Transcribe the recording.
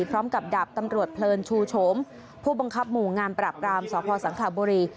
พร้อมกับดาบตำรวจเพลินชูโฉมผู้บังคับหมู่งานปราบรามสพสังขลาบุรี